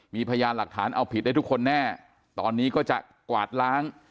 มีพยานหลักฐานเอาผิดได้ทุกคนแน่ตอนนี้ก็จะกวาดล้าง